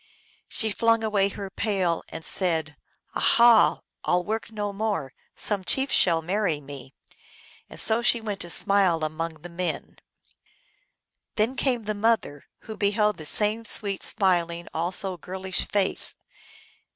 She flung away her pail, and said, "Aha! I 11 work no more ; some chief shall marry me !" and so she went to smile among the men. Then came the mother, who beheld the same sweet, smiling, also girlish face.